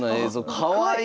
かわいい！